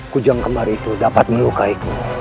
kujang kemar itu dapat melukai